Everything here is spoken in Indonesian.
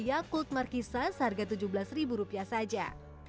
yakut markisa seharga tujuh belas ribu rupiah saja